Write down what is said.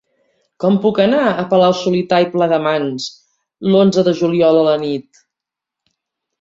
Com puc anar a Palau-solità i Plegamans l'onze de juliol a la nit?